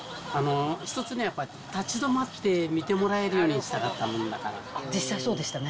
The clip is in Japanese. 一つにはやっぱ立ち止まって見てもらえるようにしたかったも実際、そうでしたね。